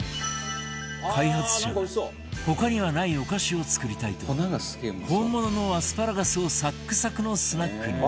開発者が他にはないお菓子を作りたいと本物のアスパラガスをサックサクのスナックに